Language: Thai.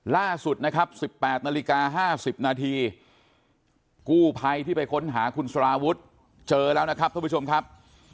ล่าสุดนะครับ๑๘นาฬิกา๕๐นาทีกู้ภัยที่ไปค้นหาคุณสารวุฒิเจอแล้วนะครับท่านผู้ชมครับ